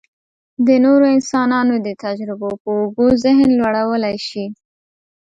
د نورو انسانانو د تجربو په اوږو ذهن لوړولی شي.